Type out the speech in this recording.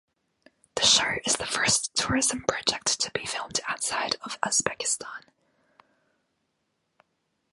The show is the first tourism project to be filmed outside of Uzbekistan.